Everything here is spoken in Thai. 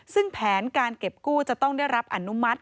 ซึ่งแผนการเก็บกู้จะต้องได้รับอนุมัติ